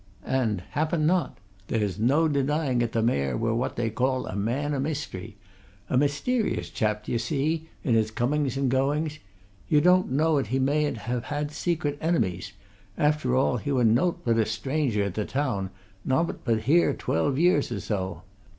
"And happen not. There's no denying 'at t' Mayor were what they call a man o' mystery. A mysterious chap, d'ye see, in his comings and goings. Ye don't know 'at he mayn't ha' had secret enemies; after all, he were nowt but a stranger i' t' town nobbut been here twelve year or so.